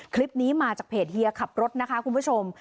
คลิปนี้มาจากเพจเฮียขับรถนะคะคุณผู้ชม